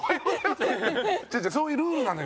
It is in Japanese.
違う違うそういうルールなのよ。